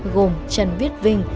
gồm trần viết vinh